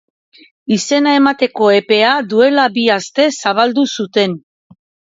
Izena emateko epea duela bi aste zabaldu zuten.